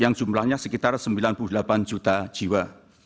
yang jumlahnya sekitar sembilan puluh delapan juta jiwa